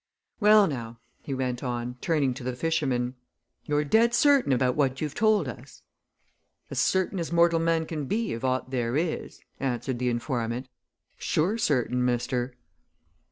Well, now," he went on, turning to the fisherman, "you're dead certain about what you've told us?" "As certain as mortal man can be of aught there is!" answered the informant. "Sure certain, mister."